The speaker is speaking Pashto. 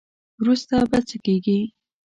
وروسته به څه کیږي.